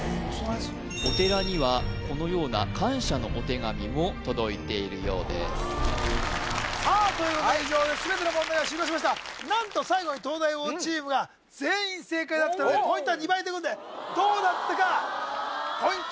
お寺にはこのような感謝のお手紙も届いているようですさあということで以上で全ての問題が終了しました何とだったのでポイントは２倍ということでどうなったかポイント